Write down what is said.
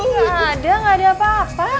gak ada gak ada apa apa